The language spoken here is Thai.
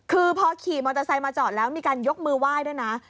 คือพอขี่มอเตอร์ไซค์มาจอดแล้วมีการยกมือไหว้ด้วยนะ